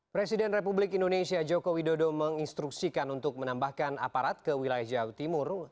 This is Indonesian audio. presiden republik indonesia joko widodo menginstruksikan untuk menambahkan aparat ke wilayah jawa timur